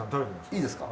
いいですか？